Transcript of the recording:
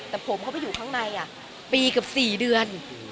แต่ผมเขาไปอยู่ข้างในอ่ะปีกับ๔เดือน